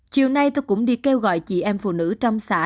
chiều nay tôi cũng đi kêu gọi chị em phụ nữ trong xã